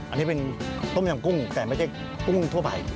อันนี้เป็นต้มยำกุ้งแต่ไม่ใช่กุ้งทั่วไป